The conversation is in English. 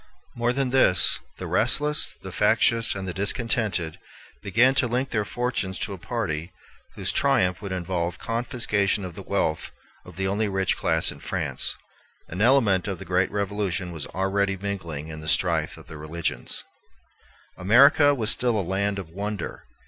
More than this, the restless, the factious, and the discontented, began to link their fortunes to a party whose triumph would involve confiscation of the wealth of the only rich class in France. An element of the great revolution was already mingling in the strife of religions. America was still a land of wonder.